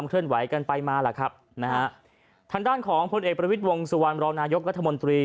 ทางด้านของพลเอกประวิทวงศ์สุวรรณรองนายกรัฐมนตรี